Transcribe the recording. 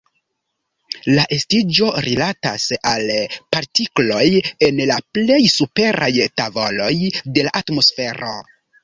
La estiĝo rilatas al partikloj en la plej superaj tavoloj de la atmosfero.